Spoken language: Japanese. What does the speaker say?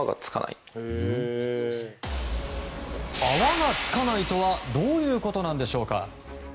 泡がつかないとはどういうことなんでしょうか。